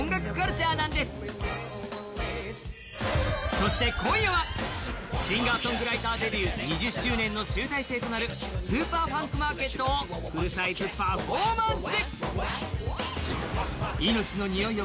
そして今夜はシンガーソングライターデビュー２０周年の集大成となる「Ｓｕｐｅｒｆｕｎｋｍａｒｋｅｔ」をフルサイズパフォーマンス。